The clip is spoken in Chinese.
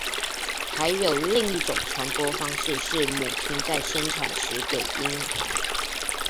还有另一种传播方式是母亲在生产时给婴孩。